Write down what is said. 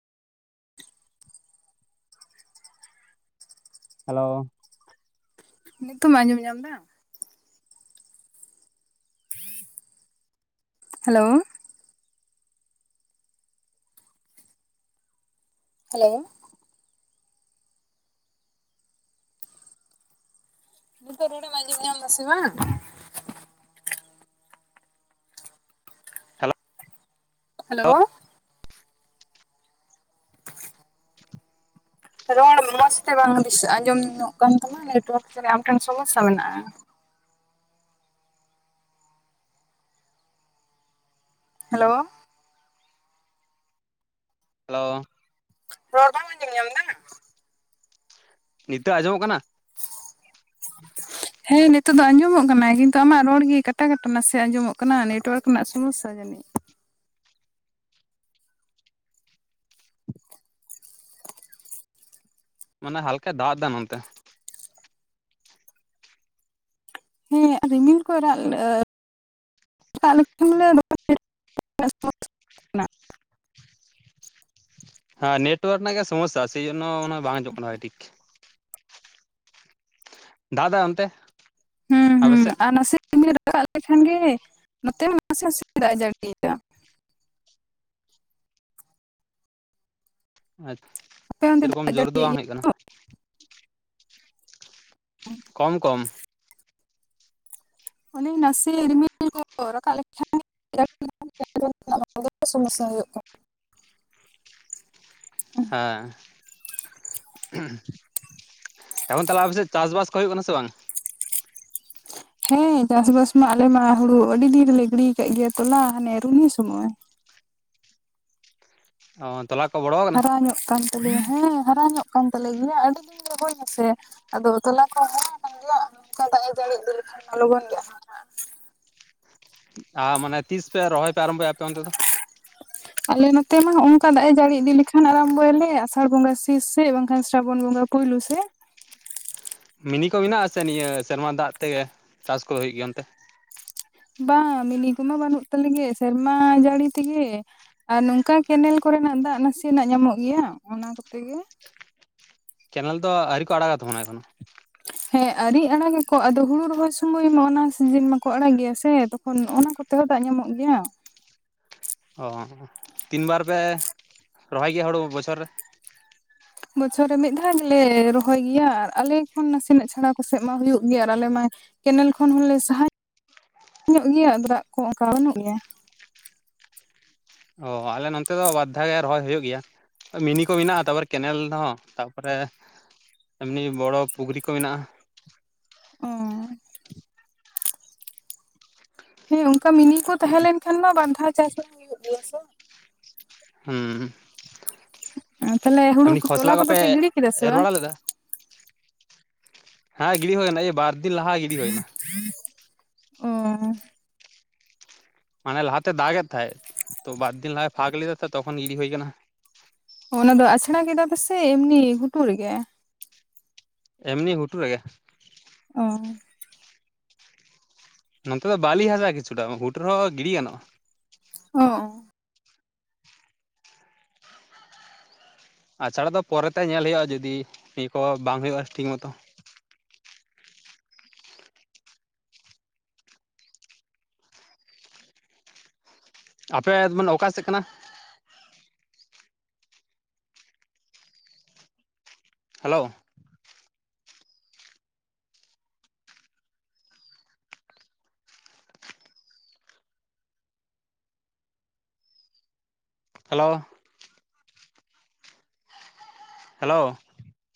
Hello. ᱱᱤᱛᱚᱢ ᱟᱸᱡᱚᱢ ᱧᱟᱢ ᱫᱟ? ᱦᱮᱞᱳ᱾ ᱦᱮᱞᱳ᱾ ᱱᱤᱛᱚᱜ ᱨᱚᱲ ᱮᱢ ᱟᱸᱡᱚᱢ ᱧᱟᱢ ᱫᱟᱥᱮ ᱵᱟᱝ? ᱦᱮᱞᱳ, ᱨᱚᱲ ᱢᱚᱸᱡᱽᱛᱮ ᱵᱟᱝ ᱫᱤᱥᱟᱹᱜ-ᱟ ᱟᱸᱡᱚᱢ ᱧᱚᱜ ᱠᱟᱱ ᱛᱟᱢᱟ ᱱᱮᱴᱣᱟᱨᱠ ᱡᱟᱱᱤᱡ ᱟᱢᱴᱷᱮᱱ ᱥᱚᱢᱚᱥᱥᱟ ᱢᱮᱱᱟᱜ-ᱟ᱾ ᱦᱮᱞᱳ᱾ ᱦᱮᱞᱳ᱾ ᱨᱚᱲ ᱵᱟᱢ ᱟᱸᱡᱚᱢ ᱧᱟᱢ ᱫᱟ? ᱱᱤᱛᱚᱜ ᱟᱸᱡᱚᱢᱚᱜ ᱠᱟᱱᱟ? [inaudible] ᱦᱮᱸ ᱱᱤᱛᱚᱜ ᱫᱚ ᱟᱸᱡᱚᱢᱚᱜ ᱠᱟᱱᱟ ᱠᱤᱱᱛᱩ ᱟᱢᱟᱜ ᱨᱚᱲ ᱜᱮ ᱠᱟᱴᱟ ᱠᱟᱴᱟ ᱱᱟᱥᱮ ᱟᱸᱡᱚᱢᱚᱜ ᱠᱟᱱᱟ ᱱᱮᱴᱣᱟᱨᱠ ᱨᱮᱱᱟᱜ ᱥᱚᱢᱚᱥᱥᱟ ᱡᱟᱹᱱᱤᱡ ᱾ ᱢᱟᱱᱮ ᱦᱟᱞᱠᱟ ᱫᱟᱜ ᱫᱟᱭ ᱱᱚᱱᱛᱮ ᱾ ᱦᱮᱸ ᱨᱤᱢᱤᱞ ᱠᱚ [unintelligible] ᱠᱟᱱᱟ ᱦᱮᱸ ᱱᱮᱴᱣᱚᱟᱨᱠ ᱨᱮᱱᱟᱜ ᱜᱮ ᱥᱚᱢᱚᱥᱟ᱾ ᱥᱮᱭ ᱡᱚᱱᱱᱚ ᱚᱱᱟ ᱵᱟᱝ ᱟᱡᱚᱢᱜ ᱠᱟᱱᱟ ᱵᱷᱟᱜᱮ ᱴᱷᱤᱠ᱾ ᱫᱟᱜ ᱫᱟ ᱚᱱᱛᱮ? ᱦᱩᱸ ᱟᱯᱮ ᱦᱩᱸ ᱥᱮᱫ ᱟᱨ ᱱᱟᱥᱮ ᱨᱤᱢᱤᱞ ᱨᱟᱠᱟᱵ ᱞᱮᱠᱷᱟᱱ ᱜᱮ ᱱᱚᱛᱮ ᱦᱚᱸ ᱱᱟᱥᱮ ᱱᱟᱥᱮ ᱫᱟᱜ ᱮ ᱡᱟᱹᱲᱤ ᱮᱫᱟ᱾ ᱟᱪᱷᱟ ᱟᱯᱮ ᱚᱱᱛᱮ ᱫᱟᱜ ᱥᱮᱨᱚᱠᱚᱢ ᱡᱟᱹᱲᱤᱭᱮᱫ ᱡᱳᱨ ᱫᱚ ᱵᱟᱝ ᱜᱮᱭᱟ ᱦᱮᱡ ᱠᱟᱱᱟ᱾ ᱛᱚ? ᱠᱚᱢ - ᱠᱚᱢ ᱚᱱᱮ ᱱᱟᱥᱮ ᱨᱤᱨᱢᱤᱞ ᱠᱚ ᱨᱟᱠᱟᱵ ᱞᱮᱠᱷᱟᱱ [unintelligible] [unintelligible] ᱥᱚᱢᱚᱥᱟ ᱦᱳᱭᱳᱜ ᱠᱟᱱᱟ᱾ ᱦᱮᱸ ᱩᱦᱩ ᱮᱠᱷᱚᱱ ᱛᱟᱦᱚᱞᱮ ᱟᱯᱟᱮᱥᱮᱫ ᱪᱟᱥᱵᱟᱥ ᱠᱚ ᱦᱩᱭᱩᱜ ᱠᱟᱱᱟ ᱥᱮ ᱵᱟᱝ? ᱦᱮᱸ ᱪᱟᱥ ᱵᱟᱥ ᱢᱟ ᱟᱞᱮ ᱢᱟ ᱦᱩᱲᱩ ᱟᱰᱤ ᱫᱤᱱ ᱨᱮᱞᱮ ᱜᱤᱲ ᱟᱠᱟᱫ ᱜᱮᱭᱟ ᱛᱚᱞᱟ ᱦᱟᱱᱮ ᱨᱩᱱᱦᱤ ᱥᱚᱢᱚᱭ᱾ ᱚᱛ ᱛᱚᱞᱟᱠᱚ ᱵᱚᱲᱚ ᱟᱠᱟᱱᱟ ᱦᱟᱨᱟ ᱧᱚᱜ ᱠᱟᱱ ᱛᱟᱞᱮᱭᱟ᱾ ᱦᱮᱸ ᱦᱟᱨᱟ ᱧᱚᱜ ᱠᱟᱱ ᱛᱟᱞᱮ ᱜᱮᱭᱟ ᱟᱹᱰᱤ ᱫᱤᱱ ᱨᱮ ᱦᱩᱭ ᱱᱟᱥᱮ᱾ ᱟᱫᱚ ᱛᱚᱞᱟ ᱠᱚ ᱦᱚ ᱠᱟᱱ ᱜᱮᱭᱟ ᱚᱝᱠᱟ ᱫᱟᱜ ᱮ ᱡᱟᱹᱲᱤᱤᱫᱤ ᱞᱮᱠᱷᱟᱱ ᱦᱚᱸ ᱞᱚᱜᱚᱱ ᱜᱮᱭᱟ᱾ ᱟᱨ ᱢᱟᱱᱮ ᱛᱤᱥ ᱯᱮ ᱨᱚᱦᱚᱭ ᱯᱮ ᱟᱨᱟᱢᱵᱚᱭᱟ ᱟᱯᱮ ᱚᱱᱛᱮ ᱫᱚ? ᱟᱞᱮ ᱱᱚᱛᱮ ᱢᱟᱜ ᱦᱚᱜᱚ ᱱᱚᱝᱠᱟ ᱫᱟᱜ ᱮ ᱡᱟᱹᱲᱤ ᱤᱫᱤ ᱞᱮᱠᱷᱟᱱ ᱟᱨᱟᱢ ᱵᱚᱭᱟᱞᱮ, ᱟᱥᱟᱲ ᱵᱚᱸᱜᱟ ᱥᱤᱥ ᱥᱮ ᱵᱟᱝᱠᱷᱟᱱ ᱥᱨᱟᱵᱚᱱ ᱵᱚᱸᱜᱟ᱾ ᱠᱚᱭᱞᱳ ᱥᱮ ᱢᱤᱱᱤ ᱠᱚ ᱢᱮᱱᱟᱜ ᱟᱥᱮ ᱱᱤᱭᱟᱹ ᱥᱮᱨᱢᱟ ᱫᱟᱜ ᱛᱮᱜᱮ ᱪᱟᱥ ᱠᱚ ᱦᱩᱭᱩᱜ ᱜᱮᱭᱟ ᱚᱱᱛᱮ? ᱵᱟᱝ ᱢᱤᱱᱤ ᱠᱚᱢᱟ ᱵᱟᱹᱱᱩᱜ ᱛᱟᱞᱮᱜᱮ ᱥᱮᱨᱢᱟ ᱡᱟᱹᱲᱤ ᱛᱤᱜᱮ᱾ ᱟᱨ ᱱᱚᱝᱠᱟ ᱠᱮᱱᱮᱞ ᱠᱚᱨᱮᱱᱟᱜ ᱫᱟᱜ ᱱᱟᱥᱮᱱᱟᱜ ᱧᱟᱢᱚᱜ ᱜᱮᱭᱟ ᱚᱱᱟ ᱠᱚᱛᱮ ᱜᱮ᱾ ᱠᱮᱱᱮᱞ ᱫᱚ ᱟᱹᱣᱨᱤ ᱠᱚ ᱟᱲᱟᱜ ᱜᱟ ᱛᱟᱵᱚᱱᱟ ᱮᱠᱷᱚᱱᱚ᱾ ᱦᱮᱸ ᱟᱨᱤ ᱟᱲᱟᱜᱟᱠᱚ ᱟᱫᱚ ᱦᱩᱲᱩ ᱨᱚᱦᱚᱭ ᱥᱩᱚᱢᱚᱭ ᱢᱟ ᱚᱱᱟ ᱥᱤᱡᱤᱱ ᱢᱟᱠᱚ ᱟᱲᱟᱜ ᱜᱮᱭᱟ ᱥᱮ, ᱛᱚᱠᱷᱚᱱ ᱚᱱᱟ ᱠᱚ ᱛᱮ ᱦᱚᱸ ᱫᱟᱜ ᱧᱟᱢᱚᱜ ᱜᱮᱭᱟ᱾ ᱚ ᱛᱤᱱ ᱵᱟᱨ ᱯᱮ ᱨᱚᱦᱚᱭ ᱜᱮᱭᱟ ᱦᱩᱲᱩ ᱵᱚᱪᱷᱚᱨ ᱨᱮ? ᱵᱚᱪᱷᱚᱨ ᱨᱮ ᱢᱤᱫ ᱫᱷᱟᱣ ᱜᱮᱞᱮ ᱨᱚᱦᱚᱭ ᱜᱮᱭᱟ, ᱟᱨ ᱟᱞᱮ ᱠᱷᱚᱱ ᱱᱟᱥᱮᱱᱟᱜ ᱪᱷᱟᱲᱟ ᱠᱚᱥᱮᱫ ᱢᱟ ᱦᱩᱭᱩᱜ ᱜᱮᱭᱟ ᱟᱨ ᱟᱞᱮ ᱢᱟ ᱠᱮᱱᱮᱞ ᱠᱷᱚᱱ ᱦᱚᱞᱮ ᱥᱟᱦᱟ ᱧᱚᱜ ᱜᱮᱭᱟ᱾ ᱫᱟᱜ ᱠᱚ ᱚᱠᱟ ᱵᱟᱱᱩᱜ ᱜᱮᱭᱟ᱾ ᱚ ᱟᱞᱮ ᱱᱚᱛᱮ ᱫᱚ ᱵᱟᱨᱫᱷᱟ ᱜᱮ ᱨᱚᱦᱚᱭ ᱦᱩᱭᱩᱜ ᱜᱮᱭᱟ᱾ ᱢᱤᱱᱤ ᱠᱚ ᱢᱮᱱᱟᱜᱼᱟ ᱛᱟᱨᱯᱚᱨᱮ ᱠᱮᱱᱮᱞ ᱦᱚᱸ ᱛᱟᱯᱚᱨᱮ ᱮᱢᱱᱤ ᱵᱚᱲᱚ ᱯᱩᱠᱷᱨᱤ ᱠᱚ ᱢᱮᱱᱟᱜᱼᱟ᱾ ᱚ ᱦᱮᱸ ᱚᱱᱠᱟ ᱢᱤᱱᱤ ᱠᱚ ᱛᱟᱦᱮᱸ ᱞᱮᱱ ᱠᱷᱟᱱ ᱢᱟ ᱵᱟᱫᱷᱟᱣ ᱪᱟᱥ ᱦᱚᱸ ᱦᱩᱭᱩᱜ ᱜᱮᱭᱟ ᱥᱮ᱾ ᱦᱩᱸ ᱛᱟᱦᱚᱞᱮ ᱦᱩᱲᱩ ᱮᱢᱱᱤ ᱠᱷᱚᱥᱞᱟ ᱛᱚᱞᱟ ᱠᱚᱫᱚ ᱠᱚᱯᱮ ᱯᱮ ᱜᱤᱰᱤ ᱠᱮᱫᱟ ᱥᱮ ᱮᱨ ᱵᱟᱝ ᱵᱟᱲᱟ ᱞᱮᱫᱟ? ᱦᱮᱸ ᱜᱤᱲᱤ ᱦᱩᱭᱱᱟ ᱮᱭ ᱵᱟᱨᱫᱤᱱ ᱞᱟᱦᱟ ᱜᱤᱲᱤ ᱦᱩᱭᱱᱟ᱾ ᱚ ᱦᱟᱱᱮ ᱞᱟᱦᱟᱛᱮ ᱫᱟᱜᱮᱫ ᱛᱟᱦᱮᱸᱫ, ᱛᱚ ᱵᱟᱨᱫᱤᱱ ᱞᱟᱦᱟᱭ ᱯᱷᱟᱸᱠ ᱞᱮᱫᱟ ᱛᱚ ᱛᱚᱠᱷᱚᱱ ᱜᱤᱲᱤ ᱦᱳᱭ ᱟᱠᱟᱱᱟ᱾ ᱚᱱᱟ ᱫᱚ ᱟᱪᱷᱟᱲᱟ ᱠᱮᱫᱟ ᱯᱮ ᱥᱮ ᱮᱢᱱᱤ ᱜᱷᱩᱴᱩ ᱨᱮᱜᱮ? ᱮᱢᱱᱤ ᱜᱷᱩᱴᱩ ᱨᱮᱜᱮ᱾ ᱚ ᱱᱚᱱᱛᱮ ᱫᱚ ᱵᱟᱹᱞᱤ ᱦᱟᱥᱟ ᱠᱤᱪᱷᱩ ᱴᱟᱜ ᱦᱚᱸ ᱜᱩᱡᱩ ᱨᱮᱦᱚᱸ ᱜᱤᱰᱤ ᱜᱟᱱᱼᱟ᱾ ᱦᱚᱸ ᱚ ᱟᱪᱷᱟᱲᱟ ᱫᱚ ᱯᱚᱨᱮᱛᱮ ᱧᱮᱞ ᱦᱩᱭᱩᱜᱼᱟ᱾ ᱡᱩᱫᱤ ᱱᱤᱭᱟᱹ ᱠᱚ ᱵᱟᱝ ᱦᱩᱭᱩᱜᱼᱟ ᱴᱷᱤᱠ ᱢᱚᱛᱚ᱾ ᱟᱯᱮ ᱢᱟᱱᱮᱫ ᱚᱠᱟ ᱥᱮᱫ ᱠᱟᱱᱟ? Hello hello. ᱦᱮᱞᱳᱣ᱾